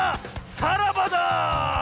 さらばだ！